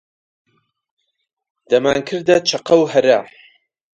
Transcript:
دەمانکردە چەقە و هەرا